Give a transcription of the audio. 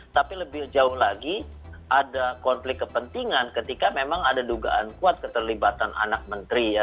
tapi lebih jauh lagi ada konflik kepentingan ketika memang ada dugaan kuat keterlibatan anak menteri ya